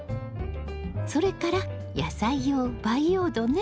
それから野菜用培養土ね。